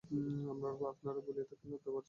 আপনারা বলিয়া থাকেন, আত্মা আছেন।